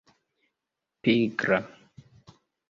pigra